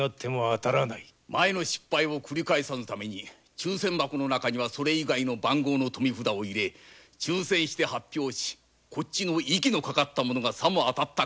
前の失敗を繰り返さぬために抽選箱の中にはそれ以外の番号の富札を入れ抽選して発表し息のかかった者がさも当たったかのように。